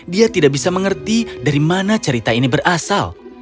dia tidak bisa mengerti dari mana cerita ini berasal